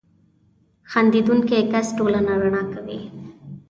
• خندېدونکی کس ټولنه رڼا کوي.